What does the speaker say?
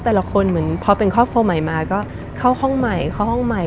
แต่ละคนเหมือนพอเป็นครอบครัวใหม่มาก็เข้าห้องใหม่เข้าห้องใหม่